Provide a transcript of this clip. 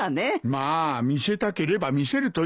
まあ見せたければ見せるといい。